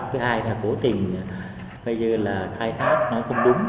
cái hai là cố tình khai thác nó không đúng